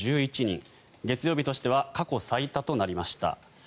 月曜日としては過去最多となりました。